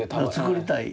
作りたい。